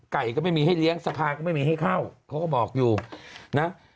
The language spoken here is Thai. ก็ไม่มีให้เลี้ยงสภาก็ไม่มีให้เข้าเขาก็บอกอยู่นะ